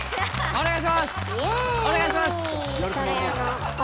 お願いします！